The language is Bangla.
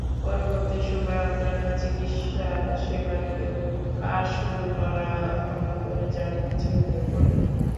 পরবর্তী সময়ে অন্যান্য চিকিৎসাসেবা নিয়েও কাজ শুরু করা হবে বলে জানিয়েছে গুগল।